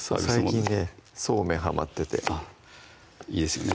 最近ねそうめんはまってていいですよね